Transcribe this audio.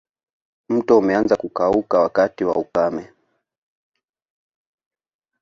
Mto umeanza kukauka wakati wa ukame